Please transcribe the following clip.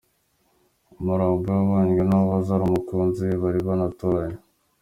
Umurambo we wabonywe n’uwahoze ari umukunzi we bari banaturanye.